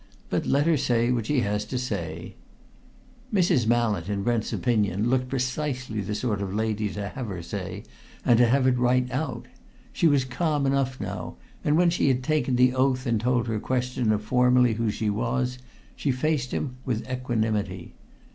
But let her say what she has to say." Mrs. Mallett, in Brent's opinion, looked precisely the sort of lady to have her say, and to have it right out. She was calm enough now, and when she had taken the oath and told her questioner formally who she was, she faced him with equanimity.